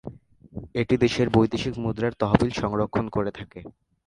এটি দেশের বৈদেশিক মুদ্রার তহবিল সংরক্ষণ করে থাকে।